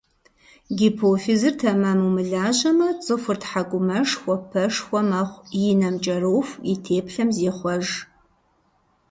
Гипофизыр тэмэму мылажьэмэ, цӀыхур тхьэкӀумэшхуэ, пэшхуэ, мэхъу, и нэм кӀэроху, и теплъэм зехъуэж.